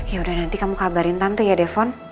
yaudah nanti kamu kabarin tante ya defon